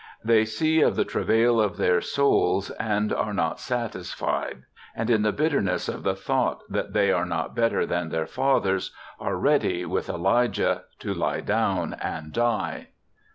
They see of the travail of their souls and are not satisfied, and, in the bitterness of the thought that they are not better than their fathers, are ready, with Elijah, to lie down and die.